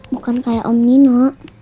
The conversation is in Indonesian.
bukan kayak om nino